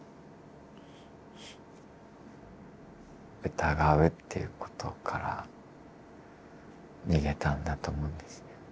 疑うっていうことから逃げたんだと思うんですね。